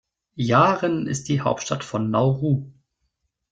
Yaren ist die Hauptstadt von Nauru.